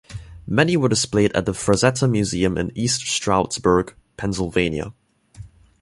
Many were displayed at the Frazetta Museum in East Stroudsburg, Pennsylvania.